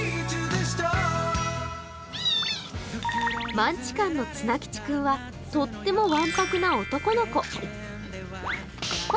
マンチカンのツナ吉君はとってもわんぱくな男の子。